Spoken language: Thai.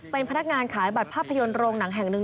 เป็นพนักงานขายบัตรภาพยนตร์โรงหนังแห่งหนึ่ง